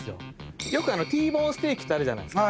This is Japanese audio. Ｔボーンステーキってあるじゃないですか。